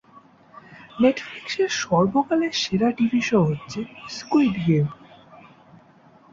নেটফ্লিক্সের সর্বকালের সেরা TV show হচ্ছে ‘স্কুইড গেম’।